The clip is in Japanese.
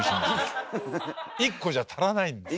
１個じゃ足らないんですよ。